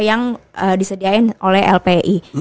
yang disediain oleh lpi